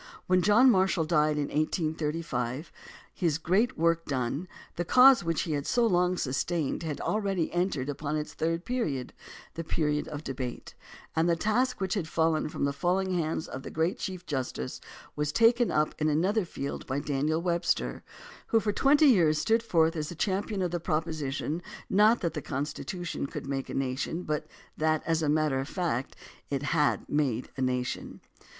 When John Marshall died in 1835, his great work done, the cause which he had so long sustained had already entered upon its third period — the period of debate — and the task which had fallen from the failing hands of the great chief justice was taken up in another field by Daniel Webster, who for twenty years stood forth as the champion of the proposition not that the Constitution could make a nation but that, as a matter of fact, it had made a nation.